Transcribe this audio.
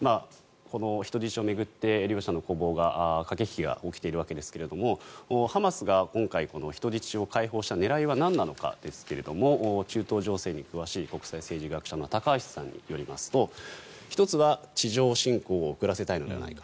人質を巡って両者の駆け引きが起きているわけですがハマスが今回、人質を解放した狙いはなんなのかですが中東情勢に詳しい国際政治学者の高橋さんによりますと１つは、地上侵攻を遅らせたいのではないか。